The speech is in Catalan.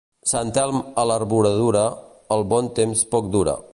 Sant Elm a l'arboradura, el bon temps poc dura.